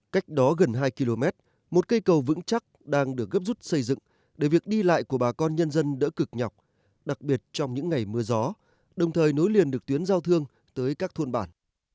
cách đó gần hai km một cây cầu vững chắc đang được gấp rút xây dựng để việc đi lại của bà con nhân dân đỡ cực nhọc đặc biệt trong những ngày mưa gió đồng thời nối liền được tuyến giao thương tới các thôn bản